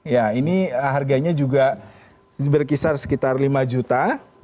ya ini harganya juga berkisar sekitar lima juta